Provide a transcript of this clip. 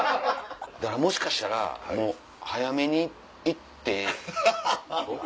もしかしたら早めに行って。